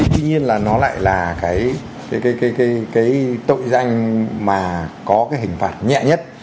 tuy nhiên là nó lại là cái tội danh mà có cái hình phạt nhẹ nhất